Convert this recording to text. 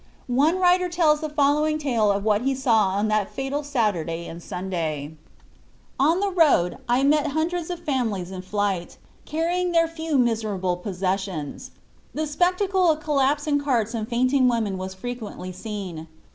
One writer tells the following tale of what he saw on that fatal Saturday and Sunday: "On the road I met hundreds of families in flight, carrying their few miserable possessions. The spectacle of collapsing carts and fainting women was frequently seen.